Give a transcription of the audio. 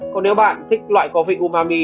còn nếu bạn thích loại có vị umami